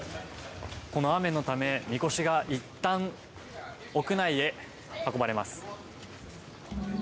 この雨のため、みこしがいったん屋内へ運ばれます。